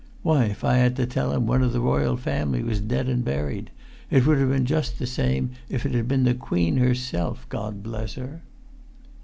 Why, I had to tell him one of the Royal Family was dead an' buried; it would have been just the same if it had been the Queen herself, God bless her!"